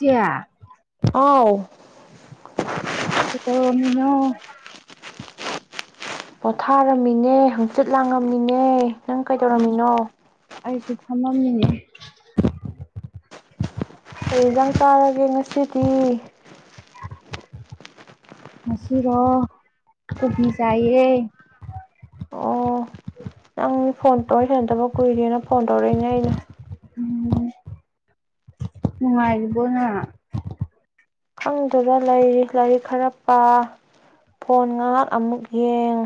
ꯏꯆꯦ ꯍꯥꯎ ꯀꯩꯗꯧꯔꯝꯃꯤꯅꯣ ꯄꯣꯊꯥꯔꯝꯃꯤꯅꯦ ꯍꯪꯆꯤꯠ ꯂꯥꯡꯉꯝꯃꯤꯅꯦ ꯅꯪ ꯀꯩꯗꯧꯔꯝꯃꯤꯅꯣ ꯐꯃꯝꯃꯤꯅꯦ ꯀꯩꯖꯥꯡ ꯆꯥꯔꯒꯦ ꯉꯁꯤꯗꯤ ꯉꯁꯤꯔꯣ ꯀꯣꯕꯤ ꯆꯥꯏꯌꯦ ꯑꯣ ꯅꯪ ꯐꯣꯟ ꯇꯧ ꯁꯅꯗꯕ ꯀꯨꯏꯔꯦꯅ ꯐꯣꯟ ꯇꯧꯔꯛꯏꯅꯦ ꯑꯩꯅ ꯎꯝ ꯃꯉꯥꯏꯔꯤꯕꯣꯅ ꯈꯪꯗꯅ ꯂꯩꯔꯤ ꯂꯥꯏꯔꯤꯛ ꯈꯔ ꯄꯥ ꯐꯣꯟ ꯉꯥꯏꯍꯥꯛ ꯑꯃꯨꯛ ꯌꯦꯡ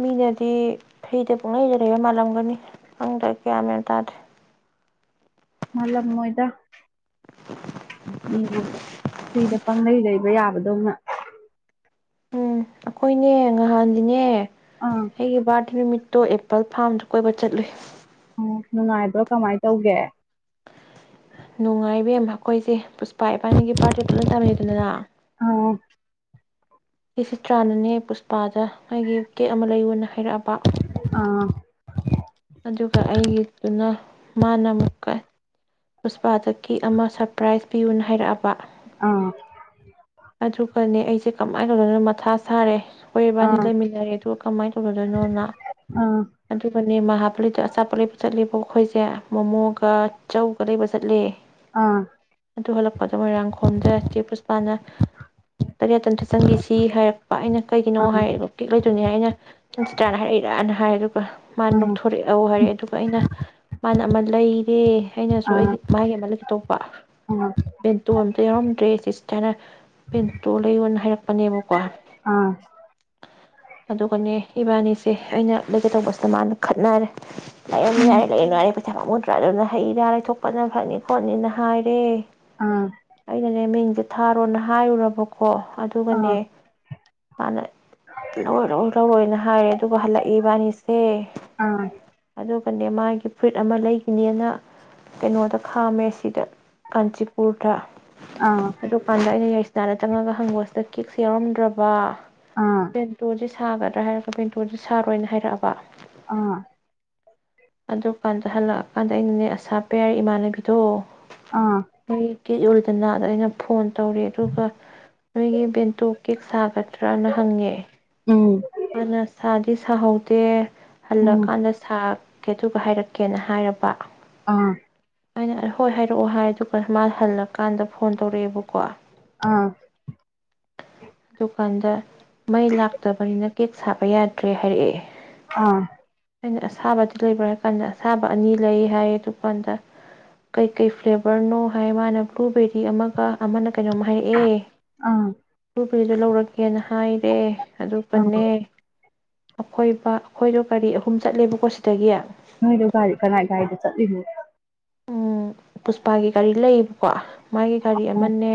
ꯃꯤꯅꯗꯤ ꯐ꯭ꯔꯤꯗ ꯄꯛꯂꯩꯗ ꯂꯩꯕ ꯃꯥꯜꯂꯝꯒꯅꯤ ꯈꯪꯗꯕ ꯀꯌꯥ ꯃꯅ ꯇꯥꯗꯦ ꯃꯂ ꯃꯣꯏꯗ ꯃꯤꯕꯨ ꯐꯔꯤꯗ ꯄꯪꯪꯂꯩ ꯂꯩꯕ ꯌꯥꯕꯗꯧꯅ ꯎꯝ ꯑꯩꯈꯣꯏꯅꯦ ꯉꯍꯥꯟꯗꯤꯅꯦ ꯑꯥ ꯑꯩꯒꯤꯕꯥꯇꯅ ꯇꯣ ꯑꯦꯄꯜ ꯐꯥꯝꯗꯨ ꯀꯣꯏꯕ ꯆꯠꯂꯨꯏ ꯑꯥ ꯅꯨꯡꯉꯥꯏꯕ꯭ꯔꯣ ꯀꯃꯥꯏꯅ ꯇꯧꯒꯦ ꯅꯨꯡꯉꯥꯏꯕꯦꯝ ꯑꯩꯈꯣꯏꯁꯦ ꯄꯨꯁꯄꯥ ꯏꯄꯥꯅꯤꯒꯤ ꯄꯥꯔꯠꯇꯤ ꯄꯨꯂꯞ ꯇꯝꯃꯤꯗꯅ ꯑꯣ ꯁꯤꯁꯤ ꯆ꯭ꯔꯥꯟꯅꯅꯦ ꯄꯨꯁꯄꯥꯗ ꯃꯥꯒꯤ ꯀꯦꯛ ꯑꯃ ꯂꯩꯌꯨꯅ ꯍꯥꯏꯔꯛꯑꯕ ꯑꯥ ꯑꯗꯨꯒ ꯑꯩꯒꯤꯗꯨꯅ ꯃꯥꯅ ꯃ ꯀ ꯄꯨꯁꯄꯥꯇꯀꯤ ꯑꯃ ꯁꯔꯄ꯭ꯔꯥꯏꯁ ꯄꯤꯌꯨꯅ ꯍꯥꯏꯔꯛꯑꯕ ꯑꯥ ꯁꯤ ꯀꯃꯥꯏꯅ ꯇꯧꯗꯅ ꯃꯊꯥ ꯁꯥꯔꯦ ꯍꯈꯣꯏꯕꯥꯅꯤ ꯑꯥ ꯑꯥ ꯂꯩꯃꯤꯟꯅꯔꯦ ꯑꯗꯨ ꯀꯃꯥꯏꯅ ꯇꯧꯅꯗꯣꯏꯅꯣ ꯅ ꯑꯗꯨꯒꯅꯦ ꯃꯥ ꯍꯥꯄꯗ ꯑꯆꯥꯄꯣꯠꯂꯦꯞꯄ ꯆꯠꯂꯦꯕ ꯑꯩꯈꯣꯏꯁꯦ ꯃꯣꯃꯣꯒ ꯆꯧꯒ ꯂꯩꯕ ꯆꯠꯂꯦ ꯑꯥ ꯑꯗꯨ ꯍꯜꯂꯛꯄꯗꯣ ꯃꯣꯏꯔꯥꯡꯈꯣꯝꯗ ꯆꯦ ꯄꯨꯁꯄꯥꯅ ꯇꯔꯤꯌꯥꯇ ꯑꯝꯇ ꯆꯟꯈꯤꯁꯤ ꯍꯥꯏꯔ ꯄꯥ ꯑꯩꯅ ꯀꯩꯒꯤꯅꯣ ꯍꯥꯏ ꯀꯦꯛ ꯂꯩꯗꯣꯏꯅꯤ ꯍꯥꯏ ꯑꯩꯅ ꯅꯪ ꯆꯤꯇ꯭ꯔꯥꯅ ꯍꯥꯏꯔꯛꯏꯔꯅ ꯍꯥꯏꯔꯤꯕ ꯑꯥ ꯃꯥꯅ ꯅꯣꯛꯊꯣꯔꯛꯎ ꯍꯥꯏꯔꯛꯑꯦ ꯑꯗꯨꯒ ꯑꯩꯅ ꯃꯥꯅ ꯑꯃ ꯂꯩꯔꯦ ꯑꯩꯅꯁꯨ ꯑꯥ ꯑꯩꯒꯤ ꯃꯥꯒꯤ ꯑꯃꯗ ꯀꯩꯇꯣꯛꯄ ꯑꯥ ꯕꯦꯟꯇꯣ ꯑꯝꯇ ꯌꯥꯎꯔꯝꯗ꯭ꯔꯦ ꯁꯤ ꯀꯅ ꯄꯦꯟꯇꯣ ꯂꯩꯌꯣꯅ ꯍꯥꯏꯔꯛꯄ ꯐꯥꯅꯥ ꯃꯨꯀꯥ ꯑꯥ ꯑꯗꯨꯒꯅꯦ ꯏꯕꯥꯅꯤꯁꯦ ꯑꯩꯅ ꯂꯩꯒꯦ ꯇꯧꯕꯁꯤꯗ ꯃꯥꯅ ꯈꯠꯅꯔꯦ ꯂꯩ ꯎꯝ ꯌꯥꯔ ꯂꯩ ꯅꯨꯡꯔ ꯆ ꯃꯨꯗ꯭ꯔꯥ ꯑꯗꯨꯅ ꯍꯩ ꯔꯥ ꯂꯩꯊꯣꯛꯄꯅ ꯐꯅꯤ ꯈꯣꯠꯅꯤꯅ ꯍꯥꯏꯔꯦ ꯑꯥ ꯑꯩꯅꯅꯦ ꯃ ꯊꯥꯔꯣꯅ ꯍꯥꯏ ꯎꯔꯔꯕ ꯍꯣ ꯑꯥ ꯑꯗꯨꯒꯅꯦ ꯃꯥꯅ ꯂꯧꯔꯣꯏ ꯂꯧꯔꯣꯏ ꯂꯧꯔꯣꯏꯅ ꯍꯥꯏꯔꯦ ꯑꯗꯨꯒ ꯍꯜꯂꯛꯏꯕꯥꯅꯤꯁꯦ ꯑꯥ ꯑꯗꯨ ꯀꯅꯦ ꯃꯥꯒꯤ ꯐꯨꯏꯠ ꯑꯃ ꯂꯩꯈꯤꯅꯦꯅ ꯀꯩꯅꯣꯗ ꯈꯥꯝꯃꯦ ꯁꯤꯗ ꯀꯥꯟꯆꯤꯄꯨꯔꯗ ꯑꯥ ꯑꯗꯨꯀꯥꯟꯗ ꯑꯩꯅ ꯌꯥꯏ ꯏꯟꯁꯇꯗ ꯆꯪꯉꯒ ꯍꯪꯕꯁꯤꯗ ꯀꯦꯛꯁꯦ ꯌꯥꯎꯔꯝꯗ꯭ꯔꯕ꯫ ꯑꯥ ꯄꯦꯟꯇꯣꯖꯤꯁ꯫ ꯁꯥꯒꯗ꯭ꯔꯥ ꯍꯥꯏꯔꯒ ꯕꯦꯟꯇꯣꯁꯤ ꯁꯥꯔꯣꯏꯅ ꯍꯥꯏꯔꯛꯑꯕ꯫ ꯑꯥ꯫ ꯑꯗꯨꯀꯥꯟꯗ ꯍꯥꯜꯂꯛ ꯑꯗꯥ ꯑꯩꯅꯅꯦ ꯑꯁꯥ ꯄꯤꯌꯥꯔꯤ ꯏꯃꯥꯟꯅꯕꯤꯗꯣ꯫ ꯑꯥ ꯑꯩ꯫ [unintelligible] ꯅꯥꯗ ꯑꯩꯅ ꯐꯣꯟ ꯇꯧꯔꯦ ꯑꯗꯨꯒ ꯅꯣꯏꯒꯤ ꯕꯦꯟꯇꯣ ꯀꯦꯛ ꯁꯥꯒꯗ꯭ꯔꯅ ꯍꯪꯉꯦ꯫ ꯎꯝ꯫ ꯃꯥꯅ ꯁꯥꯗꯤ ꯁꯥꯍꯧꯗꯦ꯫ ꯎꯝ ꯍꯥꯜꯂꯛꯀꯥꯟꯗ ꯁꯥ ꯀꯦ ꯑꯗꯨꯒ ꯍꯥꯏꯔꯛꯀꯦꯅ ꯍꯥꯏꯔꯛꯄ꯫ ꯑꯥ꯫ ꯑꯩꯅ ꯍꯣꯏ ꯍꯥꯏꯔꯛꯑꯣ ꯍꯥꯏ ꯑꯗꯨꯒ ꯃꯥꯅ ꯍꯜꯂꯛ ꯀꯥꯟꯗ ꯐꯣꯟ ꯇꯧꯔꯛꯑꯦꯕꯀꯣ ꯑꯥ ꯑꯗꯨ ꯄꯟꯗ꯫ ꯃꯩ ꯂꯥꯛꯇꯕꯅꯤꯅ ꯀꯦꯛ ꯁꯥꯕ ꯌꯥꯗ꯭ꯔꯦ ꯍꯥꯏꯔꯛꯑꯦ꯫ ꯑꯥ꯫ ꯑꯩꯅ ꯑꯁꯥꯕꯗꯤ ꯂꯩꯕ꯭ꯔꯥ ꯍꯥꯏ ꯀꯥꯟꯗ ꯑꯁꯥꯕ ꯑꯅꯤ ꯂꯩ ꯍꯥꯏ ꯑꯗꯨꯀꯥꯟꯗ ꯀꯩꯀꯩ ꯐꯂꯦꯕꯔꯅꯣ ꯍꯥꯏ ꯃꯥꯅ ꯕꯂꯨꯔꯕꯦꯔꯤ ꯑꯃꯒ ꯑꯃꯅ ꯀꯩꯅꯣꯝ ꯑꯥ ꯍꯥꯏꯔꯛꯑꯦ ꯐꯨꯔꯤꯗꯣ ꯂꯧꯔꯛꯀꯦꯅ ꯍꯥꯏꯔꯦ ꯑꯗꯨ ꯑꯥ ꯄꯨꯅꯦ꯫ ꯑꯈꯣꯏꯄ ꯑꯩꯈꯣꯏꯗꯣ ꯒꯥꯔꯤ ꯑꯍꯨꯝ ꯆꯠꯂꯦꯕꯀꯣ ꯁꯤꯗꯒꯤ꯫ ꯅꯣꯏꯗꯣ ꯒꯥꯔꯤ ꯀꯅꯥꯥꯏ ꯒꯥꯔꯤꯗ ꯆꯠꯂꯤꯅꯣ꯫ ꯎꯝ ꯄꯨꯁꯄꯥꯒꯤ ꯀꯒꯥꯔꯤ ꯂꯩꯌꯦꯕꯀꯣ꯫ ꯃꯥꯒꯤ ꯒꯥꯔꯤ ꯑꯃꯅꯦ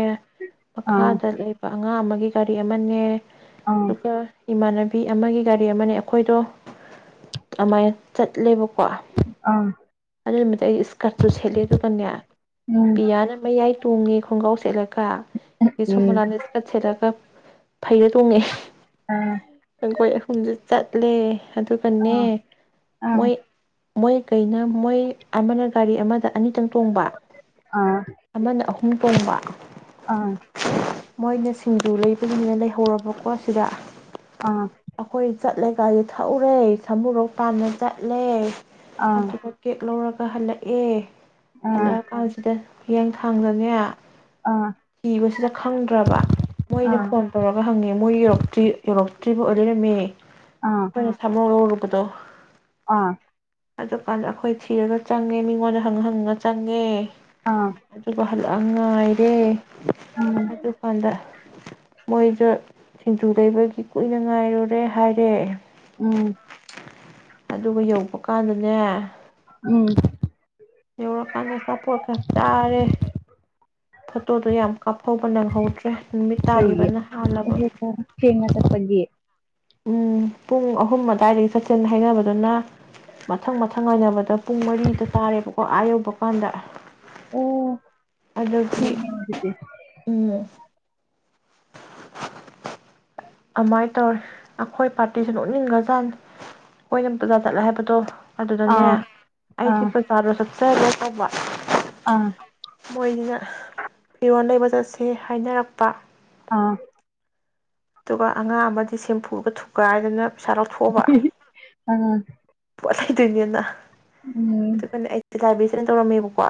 ꯑꯥ ꯃꯈꯥꯗ ꯂꯩꯕ꯫ ꯑꯉꯥꯡ ꯑꯃꯒꯤ ꯒꯥꯔꯤ ꯑꯃꯅꯦ꯫ ꯑꯥ ꯑꯗꯨꯒ ꯏꯃꯥꯟꯅꯕꯤ ꯕꯤ ꯑꯃꯒꯤ ꯒꯥꯔꯤ ꯑꯃꯅꯦ ꯑꯩꯈꯣꯏꯗꯣ ꯑꯗꯨꯃꯥꯏꯅ ꯆꯠꯂꯦꯕ ꯀꯣ ꯑꯥ ꯑꯗꯨꯏ ꯅꯨꯃꯤꯠ ꯑꯩ ꯏꯁ ꯀꯥꯔꯆꯨ ꯁꯦꯠꯂꯦ ꯑꯗꯨꯒꯅꯦ ꯎꯝ ꯄꯤꯌꯥꯅ ꯃꯌꯥꯏ ꯇꯣꯡꯉꯦ ꯈꯣꯡꯒꯥꯎ ꯁꯦꯠꯂ ꯒ ꯑꯗꯩꯩ ꯎꯝ ꯁꯣꯃꯨꯂꯥꯅ ꯏꯁꯀꯥꯔꯠ ꯁꯦꯠꯂꯒ ꯐꯩꯔ ꯇꯨꯃꯦ ꯑꯥ ꯑꯈꯣꯏ ꯑꯍꯨꯝꯗꯤ ꯆꯠꯂꯦ ꯑꯗꯨꯒꯅꯦ ꯑꯥ ꯑꯥ ꯃꯣꯏ ꯃꯣꯏ ꯀꯩꯅ ꯃꯣꯏ ꯑꯃꯅ ꯒꯥꯔꯤ ꯑꯃꯗ ꯑꯅꯤꯇꯪ ꯇꯣꯡꯕ ꯑꯥ ꯑꯃꯅ ꯑꯍꯨꯝ ꯇꯣꯡꯕ ꯑꯥ ꯃꯣꯏꯅ ꯁꯤꯡꯖꯨ ꯂꯩꯕꯗꯨꯅꯤꯅ ꯂꯩꯍꯧꯔꯕꯀꯣ ꯁꯤꯗ ꯑꯥ ꯑꯩꯈꯣꯏ ꯆꯠꯂꯦ ꯀꯥꯏꯗꯦ ꯊꯛꯎꯔꯦ ꯊꯃꯨꯔꯣꯛ ꯇꯥꯟꯅ ꯆꯠꯂꯦ ꯑꯗꯨꯒ ꯀꯦꯛ ꯂꯧꯔꯒ ꯑꯍꯜꯂ ꯑꯦ ꯑꯥ ꯍꯜꯂ ꯀꯥꯅꯁꯤꯗ ꯍꯡꯊꯥꯡꯗꯅꯦ ꯑꯥ ꯊꯤꯕꯁꯤꯗ ꯈꯪꯗ꯭ꯔꯕ ꯃꯣꯏꯗ ꯐꯣꯟ ꯇꯧꯔꯒ ꯍꯪꯉꯦ ꯃꯣꯏ ꯌꯧꯛꯇ꯭ꯔꯤꯧ ꯑꯠꯇ꯭ꯣꯏꯔꯤꯕ ꯑꯣꯏ ꯂꯩꯔꯝꯃꯦ ꯑꯩꯈꯣꯏꯅ ꯊꯃꯧꯔꯣ ꯇꯣ [inaudible] ꯑꯥ ꯑꯗꯨꯀꯥꯟꯗ ꯑꯩꯈꯣꯏ ꯊꯤꯔꯒ ꯆꯪꯉꯦ ꯃꯤ ꯃꯉꯣꯟꯗ ꯍꯪ ꯍꯪꯉ ꯆꯪꯉꯦ ꯑꯥ ꯑꯗꯨꯒ ꯍꯜꯂꯛꯑ ꯉꯥꯏꯔꯦ ꯎꯝ ꯑꯗꯨꯀꯥꯟꯗ ꯃꯣꯏꯗ ꯁꯤꯡꯖꯨ ꯂꯩꯕꯒꯤ ꯀꯨꯏꯅ ꯉꯥꯏꯔꯨꯔꯦ ꯍꯥꯏꯔꯦ ꯎꯝ ꯑꯗꯨꯒ ꯌꯧꯕ ꯀꯥꯟꯗꯅꯦ ꯎꯝ ꯌꯧꯔꯀꯥꯟꯗ ꯑꯆꯥꯄꯣꯠ ꯈꯔ ꯆꯥꯔꯦ ꯐꯣꯇꯣꯗꯣ ꯌꯥꯝ ꯀꯥꯞꯊꯧꯕ ꯅꯪꯍꯧꯗ꯭ꯔꯦ ꯅꯨꯃꯤꯠ ꯀꯩꯒꯤ ꯇꯥꯈꯤꯕꯅ ꯍꯥꯜꯂꯕ ꯊꯦꯡꯅ ꯆꯠꯄꯒꯤ ꯎꯝ ꯄꯨꯡ ꯑꯍꯨꯝ ꯑꯗꯨꯋꯥꯏꯗꯒꯤ ꯆꯠꯁꯦꯅ ꯍꯥꯏꯅꯕꯗꯨꯅ ꯃꯊꯪ ꯃꯊꯪ ꯉꯥꯏꯅꯕꯗ ꯄꯨꯡ ꯃꯔꯤꯗ ꯇꯥꯔꯦꯕ ꯑꯥ ꯌꯧꯕ ꯀꯥꯟꯗ ꯑꯣ ꯑꯗꯨꯒꯤ ꯊꯦꯡꯉꯦ ꯑꯗꯨꯗꯤ ꯎꯝ ꯑꯃꯥꯏ ꯇꯧꯔ ꯑꯩꯈꯣꯏ ꯄꯥꯔꯇꯤꯁꯤ ꯅꯣꯛꯅꯤꯡꯈ꯭ꯔꯖꯥꯠꯅꯤ ꯑꯩꯈꯣꯏꯅ ꯕꯔꯖꯥ ꯆꯠꯂꯦ ꯍꯥꯏꯕꯗꯣ ꯑꯗꯨꯅꯅꯦ ꯑꯥ ꯑꯥ ꯑꯩꯒꯤ ꯄꯩꯁꯥ ꯐꯄꯝꯕ ꯑꯥ [inaudible] ꯄꯣꯟꯗ ꯐꯤꯔꯣꯟ ꯂꯩꯕ ꯆꯠꯁꯦ ꯍꯥꯏꯅꯔꯛꯄ ꯑꯥ ꯑꯗꯨꯒ ꯑꯉꯥꯡ ꯑꯃꯗꯤ ꯁꯦꯝꯐꯨꯒ ꯊꯨꯒꯥꯏꯗꯅ ꯄꯩꯁꯥ ꯂꯧꯊꯣꯛꯑꯕ ꯑꯥ ꯄ ꯑꯗꯨꯅꯤꯅ [inaudible] ꯎꯝ ꯑꯗꯨꯀꯅꯦ ꯑꯩ ꯐꯅ ꯇꯧꯔꯝꯃꯦꯕꯀꯣ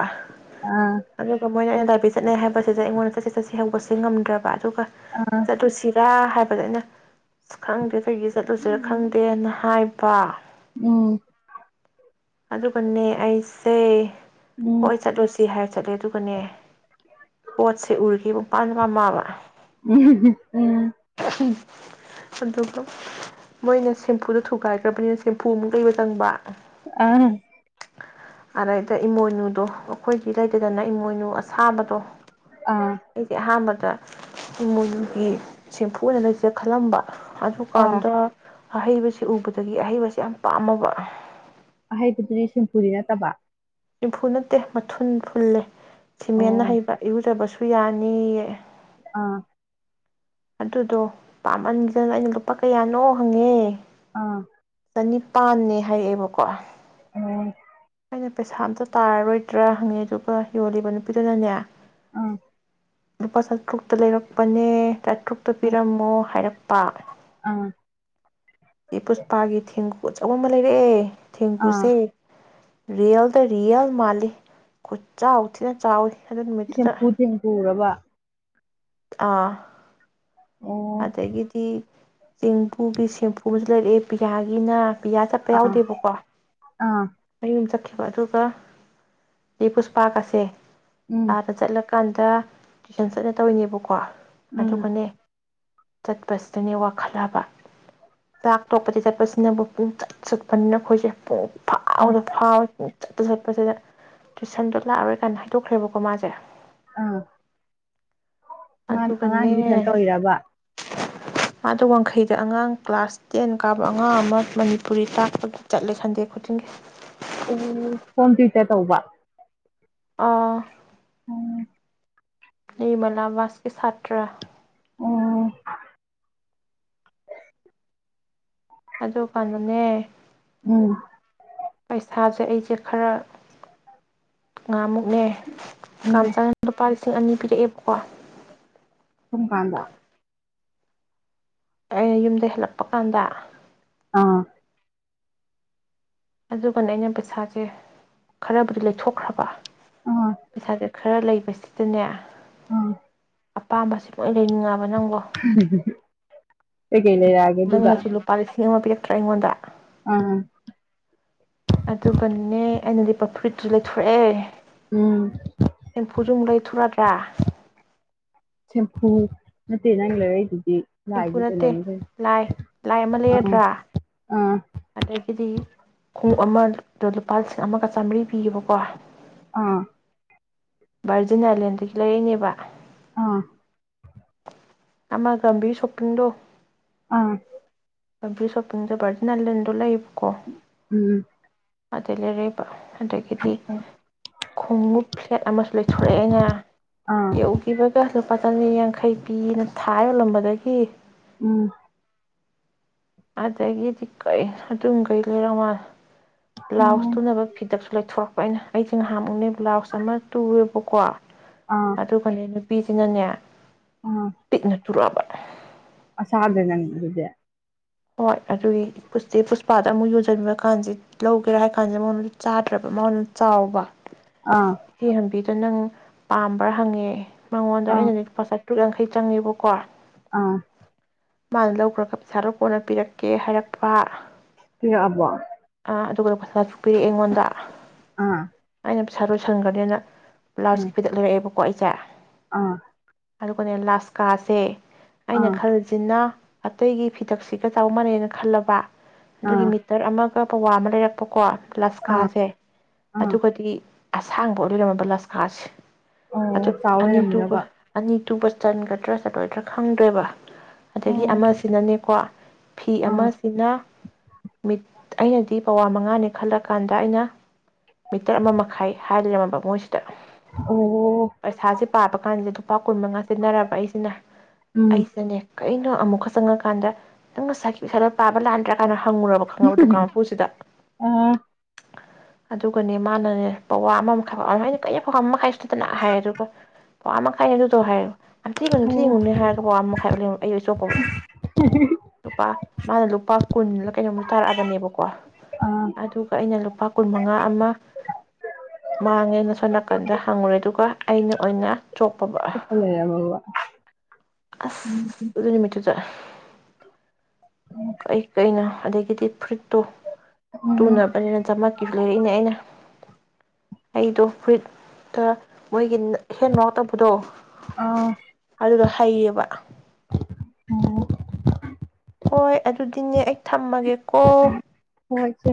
ꯑꯥ ꯑꯗꯨꯒ ꯃꯣꯏꯅ ꯇ ꯄꯤ ꯆꯠꯅꯩ ꯍꯥꯏꯕꯁꯤꯗ ꯑꯩꯉꯣꯟꯗ ꯆꯠꯁꯤ ꯆꯠꯁꯤ ꯍꯧꯕꯁꯤ ꯉꯝꯗ꯭ꯔꯕ ꯑꯗꯨꯒ ꯑꯥ ꯆꯠꯂꯨꯁꯤ ꯍꯥꯏꯕꯗ ꯑꯩꯅ ꯈꯪꯗꯦ ꯀꯩꯒꯤ ꯆꯠꯂꯨꯁꯤꯔ ꯈꯪꯗꯦꯅ ꯍꯥꯏꯕ ꯎꯝ ꯑꯗꯨꯀꯅꯦ ꯑꯩꯁ ꯇꯦ ꯎꯝ ꯍꯣꯏ ꯆꯠꯂꯨꯁꯤ ꯍꯥꯏꯔ ꯆꯠꯂꯦ ꯑꯗꯨꯒꯅꯦ ꯄꯣꯠꯁꯦ ꯎꯔꯒꯦ ꯄꯨꯡꯄꯥꯥꯝꯗ ꯄꯥꯝꯃꯛꯑꯕ ꯎꯝ ꯎꯝ ꯑꯗꯨꯒ ꯃꯣꯏꯅ ꯁꯦꯝꯄꯨꯗ ꯊꯨꯒꯥꯏꯈ꯭ꯔꯕꯅꯤꯅ ꯁꯦꯝꯄꯐꯨ ꯑꯃꯨꯛ ꯂꯩꯕ ꯆꯪꯕ ꯑꯥ ꯑꯗꯩꯗ ꯏꯃꯣꯏꯅꯨꯗꯣ ꯑꯩꯈꯣꯏꯗꯤ ꯂꯩꯇꯗꯅ ꯏꯃꯣꯏꯅꯨ ꯑꯁꯥꯕꯗꯣ ꯑꯥ ꯏꯗꯤ ꯍꯥ ꯃ ꯃꯒꯤ ꯁꯦꯝꯄꯐꯨ ꯑꯣꯏꯅ ꯂꯩꯁꯤꯗ ꯈꯜꯂꯝꯕ ꯑꯗꯨꯁꯨ ꯀꯟꯗ ꯑꯍꯩꯕꯁꯤ ꯎꯕꯗꯒꯤ ꯑꯍꯩꯕꯁꯤ ꯌꯥꯝ ꯄꯥꯝꯃꯕ ꯑꯍꯩꯕꯗꯨꯗꯤ ꯁꯤꯝꯐꯨꯔꯤ ꯅꯠꯇꯕ ꯏꯝꯐꯨ ꯅꯠꯇꯦ ꯃꯊꯨꯟ ꯐꯨꯜꯂꯦ ꯁꯤꯃꯦꯟꯅ ꯑꯣ ꯍꯩꯕ ꯏꯔꯨꯗꯕꯁꯨ ꯌꯥꯅꯤꯌꯦ ꯑꯥ ꯑꯗꯨꯗꯣ ꯄꯥꯝꯃꯟꯈꯤꯗꯅ ꯑꯩꯅ ꯂꯨꯄꯥ ꯀꯌꯥꯅꯣ ꯍꯪꯉꯦ ꯑ ꯑꯅꯤꯄꯥꯟꯅꯦ ꯍꯥꯏꯛꯑꯦꯕꯀꯣ ꯎꯝ ꯅ ꯄꯩꯁꯥ ꯑꯝꯇ ꯇꯥꯔꯔꯣꯏꯗ꯭ꯔꯥ ꯍꯪꯉꯦ ꯑꯗꯨꯒ ꯌꯣꯜꯂꯤꯕ ꯅꯨꯄꯤꯗꯨꯅꯅꯦ ꯑꯥ ꯂꯨꯄꯥ ꯆꯥꯇ꯭ꯔꯨꯛꯇ ꯂꯩꯔꯛꯄꯅꯦ ꯇ꯭ꯔꯨꯛꯇ ꯄꯤꯔꯝꯃꯣ ꯍꯥꯏꯔꯛꯄ ꯑꯥ ꯏꯄꯁꯄꯥꯒꯤ ꯊꯦꯡꯒꯨ ꯄꯣꯠꯆꯧꯕ ꯑꯃ ꯂꯩꯔꯑꯦ ꯑꯥ ꯊꯦꯡꯀꯨꯁꯦ ꯔꯤꯌꯦꯜꯗ ꯔꯤꯌꯦꯜ ꯃꯥꯜꯂꯤ ꯈꯨꯠꯁ ꯍꯊꯤꯅ ꯆꯥꯎꯋꯤ ꯑꯗꯨ ꯅꯨꯃꯤꯠꯇꯨꯗ ꯁꯦꯝꯐꯨ ꯊꯦꯡꯐꯨꯔꯕ ꯑꯥ ꯑꯣ ꯑꯗꯒꯤꯗꯤ ꯆꯦꯡꯕꯨꯒꯤ ꯁꯦꯝꯐꯨꯁꯨ ꯂꯩꯔꯛꯑꯦ ꯄꯤꯌꯥꯒꯤꯅ ꯕꯤꯌꯥ ꯆꯠꯄ ꯑꯥ ꯌꯥꯎꯗꯦꯕꯀꯣ ꯑꯥ ꯑꯩꯨꯝ ꯆ ꯑꯗꯨꯒ ꯆꯦ ꯄꯨꯁꯄꯥꯛ ꯒꯁꯦ ꯎꯝ ꯑꯗ ꯆꯠꯂꯒ ꯀꯥꯟꯗ ꯇꯨꯏꯁꯟ ꯆꯠꯅ ꯇꯧꯔꯤꯅꯦꯕꯀꯣ ꯑꯗꯨ ꯎꯝ ꯀꯅꯦ ꯆꯠꯄꯁꯤꯗꯅꯦ ꯋꯥꯈꯠꯂꯕ ꯆꯥꯛ ꯇꯣꯛꯄꯗꯤ ꯆꯠꯄꯁꯤꯅꯕꯨ ꯄꯨꯡ ꯆꯠ ꯆꯠꯄꯅꯤꯅ ꯑꯩꯈꯣꯏꯁꯦ ꯑꯥ ꯐꯥꯎꯗ ꯐꯥꯎꯋꯦ ꯆꯠꯇ ꯆꯠꯄꯁꯤꯗ ꯇꯨꯏꯁꯟꯗꯣ ꯂꯥꯛꯑꯔꯣꯏ ꯀꯥꯏꯅ ꯍꯥꯏ ꯇꯣꯛꯈ꯭ꯔꯦꯕꯀꯣ ꯃꯥꯁꯦ ꯑꯥ ꯑꯉꯥꯡꯗꯨ ꯇꯨꯏꯁꯟ ꯑꯗꯨꯒꯅꯦ ꯇꯧꯔꯤꯔꯕ ꯃꯥꯗꯣ ꯋꯥꯡꯈꯩꯗ ꯑꯉꯥꯡ ꯀ꯭ꯂꯥꯁ ꯇꯦꯟ ꯀꯥꯕ ꯑꯉꯥꯡ ꯑꯃ ꯃꯅꯤꯄꯨꯔꯤ ꯇꯥꯛꯄꯒꯤ ꯆꯠꯂꯦ ꯁꯟꯗꯦ ꯈꯨꯗꯤꯡꯒꯤ [unintelligible] ꯑꯥ ꯑꯣ ꯅꯤꯃꯂꯥꯕꯥꯁꯀꯤ ꯁꯥꯇ꯭ꯔꯥ ꯎꯝ ꯑꯗꯨ ꯀꯥꯟꯩꯅꯣꯅꯦ ꯎꯝ ꯄꯩꯁꯥ ꯁꯦ ꯑꯩꯁꯦ ꯈꯔ ꯉꯥꯃꯨꯛ ꯅꯦ ꯀꯝ ꯎꯝ ꯆꯪꯗ ꯄꯥꯔꯤꯁ ꯂꯤꯁꯤꯡ ꯑꯅꯤ ꯄꯤꯔꯛꯑꯦꯕꯀꯣ ꯁꯨꯨꯡ ꯀꯥꯟꯗ ꯑ ꯌꯨꯝꯗꯩ ꯍꯦꯜꯂꯛꯄ ꯀꯥꯟꯗ ꯑꯥ ꯑꯗꯨꯒꯅ ꯑꯩꯅ ꯄꯩꯁꯥꯁꯦ ꯈꯔꯕꯨꯗꯤ ꯂꯩꯊꯣꯛꯈ꯭ꯔꯕ ꯑꯥ ꯄꯩꯁꯥꯁꯦ ꯈ ꯈꯔ ꯂꯩꯕꯁꯤꯗꯅꯦ ꯑꯝ ꯑꯄꯥꯝꯕꯕꯁꯤ ꯂꯣꯏ ꯂꯩꯅꯤꯡꯉꯕ ꯅꯕꯣ ꯒꯦꯃꯦꯔꯒꯤ ꯗꯨꯗ ꯕꯔꯥ ꯄꯤꯔꯛꯇ꯭ꯔꯥ ꯑꯩꯉꯣꯟꯗ ꯑꯗꯨꯒꯅꯦ ꯑꯩꯅ ꯂꯤꯠꯄ ꯐꯨꯔꯤꯠꯇꯨ ꯂꯩꯊꯣꯔꯛꯑꯦ ꯎꯝ ꯐꯖ ꯂꯩꯊꯣꯔꯛ ꯍꯥ ꯁꯦꯝꯐꯨ ꯅꯠꯇꯦ ꯅꯪ ꯂꯩꯔꯛꯏꯗꯣ ꯁꯦꯝꯐꯨ ꯅꯠꯇꯦ ꯂꯥꯏ ꯂꯥꯏ ꯑꯃ ꯑꯥ ꯂꯩꯔꯗ꯭ꯔ ꯑꯥ ꯑꯗꯒꯤꯗꯤ ꯈꯣꯡꯎꯞ ꯑꯃꯗꯣ ꯂꯨꯄꯥ ꯂꯤꯁꯤꯡ ꯑꯃꯒ ꯆꯥꯃꯔꯤ ꯄꯤꯌꯦꯕꯀꯣ ꯑꯥ ꯚꯥꯔꯖꯤꯟ ꯑꯥꯏꯂꯦꯟꯗꯒꯤ ꯂꯩꯔꯛꯏꯅꯦꯕ ꯑꯥ ꯑꯃ ꯒꯝꯚꯤꯔ ꯁꯣꯐꯄꯤꯡꯗꯣ ꯑꯥ ꯒꯝꯚꯤꯔ ꯁꯣꯐꯄꯤꯡꯗꯣ ꯚꯔꯖꯤꯟ ꯑꯥꯢꯂꯦꯜ ꯗꯣ ꯂꯩꯕ ꯎꯝ ꯑꯗꯩꯩ ꯂꯩꯔꯛꯏꯕ ꯑꯗꯒꯤꯗꯤ ꯈꯣꯡꯎꯞ ꯐ꯭ꯂꯦꯠ ꯑꯃꯁꯨ ꯂꯩꯊꯣꯔꯛꯑꯦ ꯑꯩꯅ ꯑꯥ ꯌꯧꯈꯤꯕꯒ ꯂꯨꯄꯥ ꯆꯅꯤꯌꯥꯡꯈꯩ ꯄꯤꯅ ꯊꯥ ꯌꯣꯜꯂꯝꯕꯗꯒꯤ ꯎꯝ ꯑꯗꯒꯤꯗꯤ ꯀꯩ ꯑꯗꯨꯒꯩ ꯂꯩꯔꯛ ꯃꯥꯜꯂꯦ ꯕ꯭ꯂꯥꯎꯁ ꯎꯝ ꯇꯨꯅꯕ ꯐꯤꯗꯛꯁꯨ ꯂꯩꯊꯣꯔꯛꯑ ꯑꯩꯅ ꯑꯩꯁꯦ ꯉꯍꯥꯛꯃꯨꯛꯅꯦ ꯕ꯭ꯂꯥꯎꯁ ꯑꯃ ꯇꯨꯨꯔꯦꯕꯀꯣ ꯑ ꯑꯥ ꯑꯗꯨꯒꯅꯦ ꯅꯨꯄꯤ ꯅꯨꯄꯤꯁꯤꯅꯅꯦ ꯄꯤꯛꯅ ꯇꯨꯔꯛꯑꯕ ꯆꯕꯔ ꯅꯪꯗꯤ ꯑꯗꯨꯗꯤ ꯍꯣꯏ ꯑꯗꯨꯒꯤ ꯄꯨꯁꯇꯦ ꯄꯨꯁꯄꯥꯗ ꯑꯃꯨꯛ ꯌꯣꯟꯁꯤꯟꯕꯤꯕ ꯀꯥꯟꯁꯤꯦ ꯂꯧꯒꯦꯔꯥ ꯍꯥꯏ ꯀꯥꯟꯁꯤꯦ ꯃꯉꯣꯟꯗ ꯆꯥꯗ꯭ꯔꯕ ꯃꯥꯉꯣꯟꯗ ꯆꯥꯎꯕ ꯑꯥ ꯕꯤꯗꯣ ꯅꯪ ꯄꯥꯝꯕ꯭ꯔꯥ ꯍꯪꯉꯦ ꯃꯉꯣꯟꯗ ꯑꯥ ꯑꯩꯅꯗꯤ ꯂꯨꯄꯥ ꯆꯥ ꯇꯔꯨꯛ ꯌꯥꯡꯈꯩ ꯆꯪꯉꯦꯕꯀꯣ ꯑꯥ ꯃꯥꯅ ꯂꯧꯈ꯭ꯔꯒꯞ ꯁꯥꯔꯛ ꯀꯣꯟꯅ ꯄꯤꯔꯛꯀꯦ ꯍꯥꯏꯔꯛꯄ ꯄꯤꯔꯛꯑꯕꯣ ꯑꯥ ꯑꯗꯨꯒ ꯄꯩꯁꯥꯁꯨ ꯄꯤꯔꯛꯑꯦ ꯑꯩꯉꯣꯟꯗ ꯑꯥ ꯄꯩꯁꯥ ꯂꯣꯏꯁꯟꯒꯔꯅꯦꯅ ꯎꯝ ꯕ꯭ꯂꯥꯎꯁ ꯐꯤꯗꯛ ꯂꯩꯔꯛꯑꯦꯕꯨ ꯀꯣ ꯏꯆꯦ ꯑꯥ ꯑꯗꯨꯒꯅꯦ ꯂꯥꯁꯀꯥꯁꯦ ꯑꯩꯅ ꯑꯥ ꯈꯟꯁꯤꯅ ꯑꯇꯩꯒꯤ ꯐꯤꯗꯛꯁꯤꯒ ꯆꯥꯎ ꯃꯥꯟꯅꯩꯅ ꯈꯜꯂꯕ ꯑꯗꯨꯒꯤ ꯑꯥ ꯃꯤꯇꯔ ꯑꯃ ꯄꯋꯥ ꯑꯃ ꯂꯩꯔꯛꯄꯀꯣ ꯑꯥ ꯂꯁꯀꯥꯁꯦ ꯑꯥ ꯑꯗꯨꯒꯗꯤ ꯑꯁꯥꯡꯕ ꯂꯣꯏꯔꯝꯃꯕ ꯂꯁꯀꯥꯥꯁ ꯑ ꯑꯣ ꯆꯥꯎ ꯑꯅꯤ ꯇꯨ ꯂꯩꯔꯝꯃꯤꯔꯕ ꯑꯅꯤ ꯇꯨꯕ ꯆꯟꯒꯗ꯭ꯔꯥ ꯆꯠꯂꯣꯏꯗ꯭ꯔꯥ ꯈꯪꯗꯣꯏꯦꯕ ꯑꯗꯒꯤ ꯑꯣ ꯑꯃ ꯁꯤꯅꯅꯤ ꯀ ꯐꯤ ꯑꯥ ꯑꯃꯁꯤꯅ ꯃꯤꯠ ꯑꯩꯅꯗꯤ ꯄꯋꯥ ꯃꯉꯥꯅꯦ ꯈꯜꯂ ꯀꯥꯟꯗ ꯑꯩꯅ ꯃꯤꯇꯔ ꯑꯃ ꯃꯈꯥꯏ ꯍꯥꯏ ꯂꯩꯔꯝꯃꯕ ꯃꯣꯏꯁꯤ ꯑ ꯄꯥꯄ ꯀꯥꯟꯗ ꯑꯗꯨ ꯂꯨꯄꯥ ꯀꯨꯟ ꯃꯉꯥ ꯁꯤꯖꯤꯟꯅꯔꯕ ꯑꯩꯁꯤꯅ ꯎꯝ ꯑꯩꯁꯤꯅꯦ ꯑꯩꯅ ꯑꯃꯨꯛꯀ ꯆꯪꯉꯀꯥꯟꯗ ꯅꯪ ꯉꯁꯥꯏꯒꯤ ꯄꯩꯁꯥꯗꯣ ꯄꯥꯕ ꯂꯥꯟꯗ꯭ꯔꯥ ꯀꯥꯏꯅ ꯈꯪꯉꯨꯔꯕ ꯈꯪꯉꯕꯗꯣ ꯇꯨꯁꯤꯗ ꯑꯥ ꯑꯗꯨꯒꯅꯦ ꯃꯥꯅꯅꯦ ꯄꯋꯥ ꯑꯃ ꯃꯈꯥꯏ ꯄꯋꯥ ꯀꯩꯅ ꯄꯋꯥ ꯃꯈꯥꯏ ꯁꯨ ꯅꯠꯇꯅ ꯍꯥꯏꯔꯦ ꯑꯗꯨꯒ ꯄꯋꯥ ꯃꯈꯥꯏꯅꯦ ꯑꯗꯨꯗꯣ ꯍꯥꯏꯔꯦ ꯑꯣ ꯌꯥꯝ [unintelligible] ꯅꯦ ꯍꯥꯏꯔꯒ [unintelligible] ꯅꯨꯄꯥ ꯃꯥꯅ ꯂꯨꯄꯥ ꯀꯨꯟ ꯀꯩꯅꯣꯝꯇ ꯇꯥꯔꯛꯑ ꯕꯀꯣ ꯑꯥ ꯑꯗꯨꯒ ꯑꯩꯅ ꯂꯨꯄꯥ ꯀꯨꯟ ꯃꯉꯥ ꯑꯃ ꯃꯥꯡꯉꯦꯅ ꯁꯣꯝ ꯅꯥꯀꯟꯗ ꯍꯪꯉꯨꯔꯦ ꯑꯗꯨꯒ ꯑꯩꯅ ꯑꯣꯏꯅ ꯆ ꯐ ꯂꯩ ꯌꯥꯝ ꯃ ꯋꯥ ꯑꯁ ꯑꯗꯨꯅꯤꯃꯤꯠꯇ ꯆ ꯀꯩ ꯀꯩꯅ ꯑꯗꯒꯤꯗꯤ ꯐ꯭ꯔꯤꯠ ꯇ ꯎꯝ ꯇꯨꯅꯕꯅꯤꯅ ꯆꯃꯛꯀꯤꯁꯨ ꯂꯩꯔꯛꯏꯅꯦ ꯑꯩꯅ ꯑꯩꯗ ꯐꯣꯏꯣꯏ ꯍꯦꯟꯋꯥꯛ ꯇꯧꯕꯗꯣ ꯑꯥ ꯑꯣ ꯑꯗꯨꯗꯣ ꯍꯩꯌꯦꯕ ꯍꯣꯏ ꯑꯗꯨꯗꯤꯅꯦ ꯑꯩ ꯊ ꯊꯝꯃꯒꯦ ꯀꯣ ꯍꯣꯏ ꯏꯆꯦ